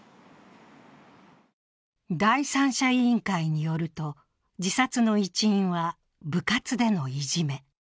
第三者委員会によると、自殺の一因は部活でのいじめ。